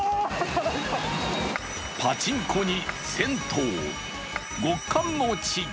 パチンコに銭湯、極寒の地。